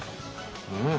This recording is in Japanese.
うん。